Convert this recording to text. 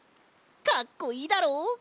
かっこいいだろ？